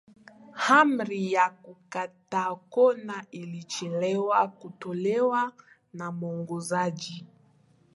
amri ya kukatakona ilichelewa kutolewa na muongozaji